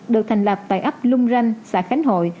được thành lập tại ấp lung ranh xã khánh hội